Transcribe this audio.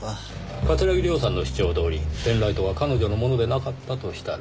桂木涼さんの主張どおりペンライトは彼女のものでなかったとしたら。